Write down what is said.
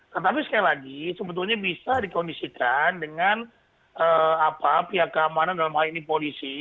tetapi sekali lagi sebetulnya bisa dikondisikan dengan pihak keamanan dalam hal ini polisi